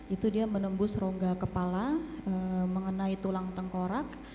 itu dia menembus rongga kepala mengenai tulang tengkorak